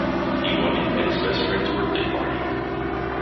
He won him at his best friend's birthday party.